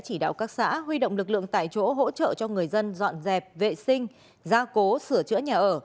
chỉ đạo các xã huy động lực lượng tại chỗ hỗ trợ cho người dân dọn dẹp vệ sinh gia cố sửa chữa nhà ở